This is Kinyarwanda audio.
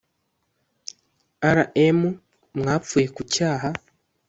Rm mwapfuye ku cyaha